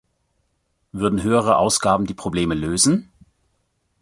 Würden höhere Ausgaben die Probleme lösen?